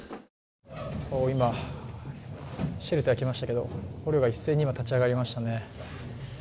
今、シェルター来ましたけど、捕虜が一斉に今、立ち上がりましたね。